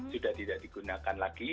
sudah tidak digunakan lagi